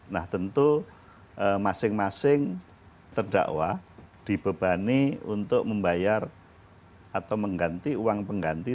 nah tentu masing masing terdakwa dibebani untuk membayar atau mengganti uang pengganti